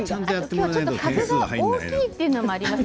かぶが大きいというのもありますね。